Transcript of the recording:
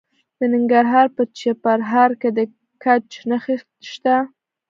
د ننګرهار په چپرهار کې د ګچ نښې شته.